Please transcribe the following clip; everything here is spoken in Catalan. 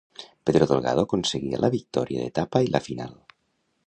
Pedro Delgado aconseguia la victòria d'etapa i la final.